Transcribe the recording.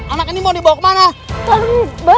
anak ini mau dibawa kemana